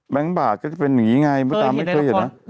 แบงก์บาทก็จะเป็นอย่างงี้ไงไม่เคยเห็นนะ